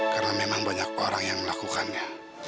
karena memang banyak orang yang melakukannya